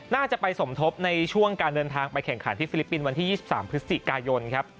น่าจะไปสมทบในช่วงการเดินทางไปแข่งขันที่ฟิลิปปินส์วันที่๒๓พฤศจิกายนครับ